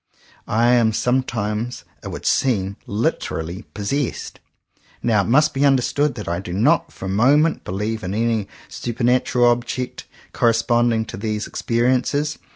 I am sometimes, it would seem, literally "possessed." Now it must be understood that I do not for a moment believe in any supernatural object corres ponding to these experiences.